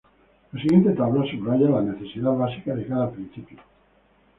La siguiente tabla subraya la necesidad básica de cada principio.